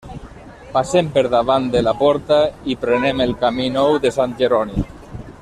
Passem per davant de la porta i prenem el camí nou de Sant Jeroni.